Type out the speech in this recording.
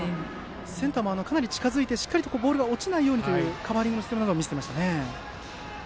センターもかなり近づいてボールが落ちないようなカバーリングするところを見せていましたね。